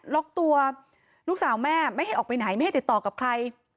ล็อกตัวลูกสาวแม่ไม่ให้ออกไปไหนไม่ให้ติดต่อกับใคร